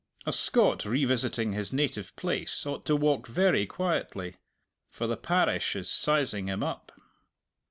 A Scot revisiting his native place ought to walk very quietly. For the parish is sizing him up.